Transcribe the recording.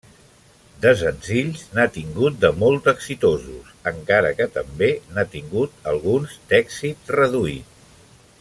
De senzills, n'ha tingut de molt exitosos, encara que també n'ha tingut alguns d'èxit reduït.